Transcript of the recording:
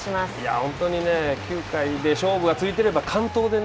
本当に９回で勝負がついてれば完投でね